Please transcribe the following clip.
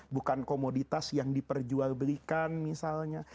bukan komoditas yang diperjual belikan misalnya